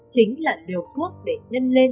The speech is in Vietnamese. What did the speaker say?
chính là liều cuốc để nâng lên